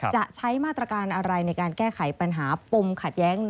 จะใช้มาตรการอะไรในการแก้ไขปัญหาปมขัดแย้ง